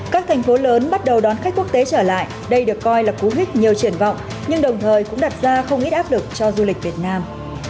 các thành phố lớn bắt đầu đón khách quốc tế trở lại đây được coi là cú hích nhiều triển vọng nhưng đồng thời cũng đặt ra không ít áp lực cho du lịch việt nam